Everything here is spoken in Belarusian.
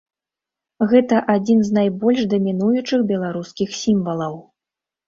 Гэта адзін з найбольш дамінуючых беларускіх сімвалаў.